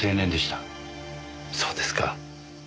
そうですか。